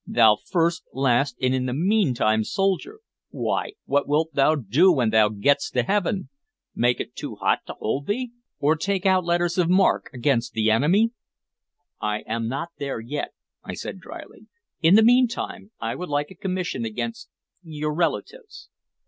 "Thou first, last, and in the meantime soldier! Why, what wilt thou do when thou gettest to heaven? Make it too hot to hold thee? Or take out letters of marque against the Enemy?" "I am not there yet," I said dryly. "In the meantime I would like a commission against your relatives."